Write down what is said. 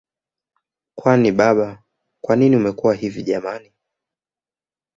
Kwani baba kwanini umekuwa hivi jamani